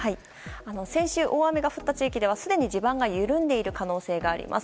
先週、大雨が降った地域ではすでに地盤が緩んでいる可能性があります。